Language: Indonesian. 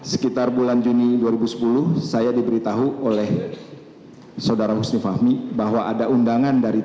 sekitar bulan juni dua ribu sepuluh saya diberitahu oleh saudara husni fahmi bahwa ada undangan dari tni